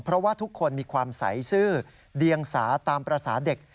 เพราะว่าทุกคนมีความใสซื่อเดียงสาตามภาษาเด็ก